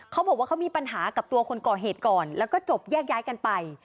เขาบอกว่าเขามีปัญหากับตัวคนก่อเหตุก่อนแล้วก็จบแยกย้ายกันไป